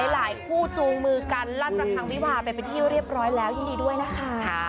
หลายคู่จูงมือกันลั่นประคังวิวาไปเป็นที่เรียบร้อยแล้วยินดีด้วยนะคะ